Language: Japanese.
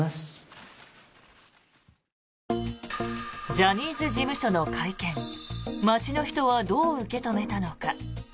ジャニーズ事務所の会見街の人はどう受け止めたのか。